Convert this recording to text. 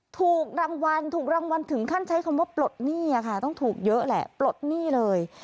ถูกรางวัลถูกรางวัลถึงขั้นใช้คำว่าปลดหนี้ค่ะต้องถูกเยอะแหละปลดหนี้เลย